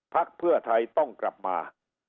พักเพื่อไทยต้องกลับมา